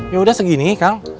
yaudah segini kang